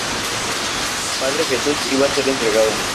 Padre Jesús iba a ser entregado.